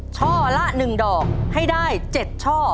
ช่อละ๑ดอกให้ได้๗ช่อ